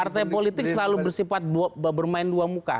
partai politik selalu bersifat bermain dua muka